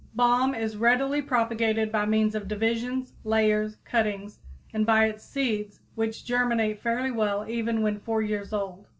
_ Balm is readily propagated by means of divisions, layers, cuttings, and by its seeds, which germinate fairly well even when four years old.